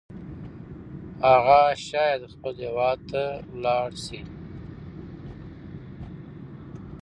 هغه شاید خپل هیواد ته لاړ شي.